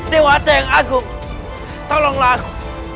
dewata yang agung tolonglah aku